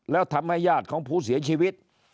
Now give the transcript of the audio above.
แล้วทำให้ญาติของผู้เสียชีวิต